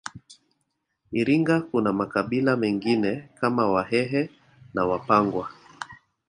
Iringa kuna makabila mengine kama wahehe na wapangwa